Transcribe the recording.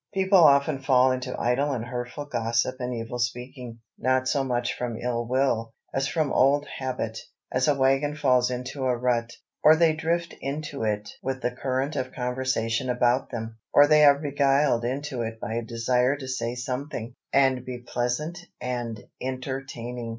People often fall into idle and hurtful gossip and evil speaking, not so much from ill will, as from old habit, as a wagon falls into a rut. Or they drift into it with the current of conversation about them. Or they are beguiled into it by a desire to say something, and be pleasant and entertaining.